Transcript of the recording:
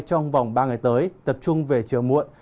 trong vòng ba ngày tới tập trung về chiều muộn